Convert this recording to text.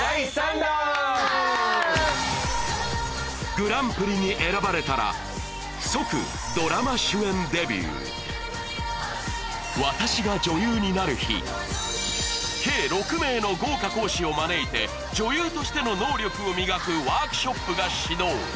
グランプリに選ばれたら即ドラマ主演デビュー計６名の豪華講師を招いて女優としての能力を磨くワークショップが始動